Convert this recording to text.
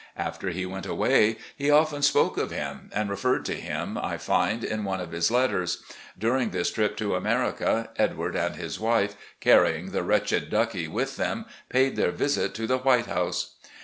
After he went away, he often spoke of him, and referred to him, I find, in one of his letters. During this trip to America, Edward and his wife, canying the wretched "Duclde" with them, paid their visit to the "White House."